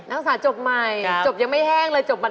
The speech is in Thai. ศึกษาจบใหม่จบยังไม่แห้งเลยจบมา